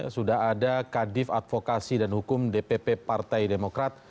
sudah ada kadif advokasi dan hukum dpp partai demokrat